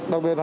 đặc biệt là